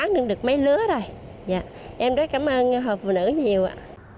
hộp phụ nữ rất quan tâm cho gia đình em em rất cảm ơn hộp phụ nữ nhiều ạ